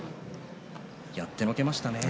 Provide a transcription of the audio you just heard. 馬山やってのけましたね。